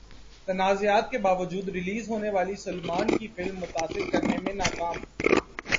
تنازعات کے باوجود ریلیز ہونے والی سلمان کی فلم متاثر کرنے میں ناکام